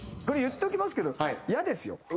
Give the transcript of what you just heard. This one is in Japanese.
これ言っておきますけどイヤですよ。